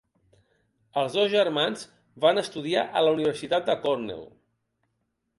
Els dos germans van estudiar a la Universitat de Cornell.